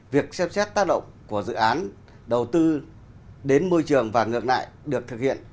việc xếp xét tác động của dự án đầu tư đến môi trường và ngược lại được thực hiện